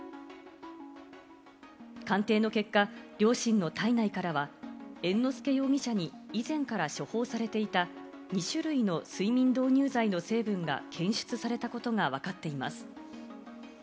鑑定の結果、両親の体内からは猿之助容疑者に以前から処方されていた２種類の睡眠導入剤の成分が検出されたことがわかっています。